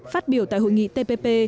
phát biểu tại hội nghị tpp